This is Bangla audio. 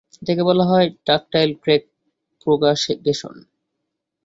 এইটাকে বলা হয় ডাকটাইল ক্র্যাক প্রোপাগেশন।